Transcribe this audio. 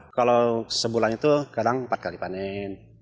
kalau sebulan itu kadang empat kali panen